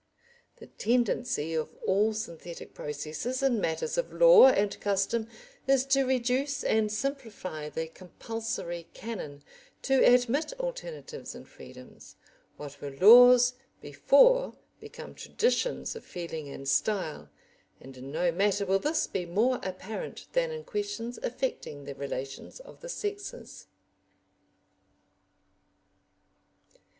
The tendency of all synthetic processes in matters of law and custom is to reduce and simplify the compulsory canon, to admit alternatives and freedoms; what were laws before become traditions of feeling and style, and in no matter will this be more apparent than in questions affecting the relations of the sexes.